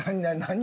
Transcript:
何？